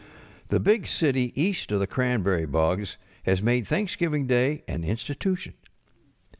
The big city east of the cranberry bogs has made Thanksgiving Day an institution.